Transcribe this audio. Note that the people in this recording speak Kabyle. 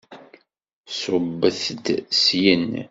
Ṣubbet-d syin!